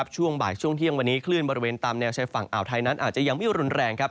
ช่วงบ่ายช่วงเที่ยงวันนี้คลื่นบริเวณตามแนวชายฝั่งอ่าวไทยนั้นอาจจะยังไม่รุนแรง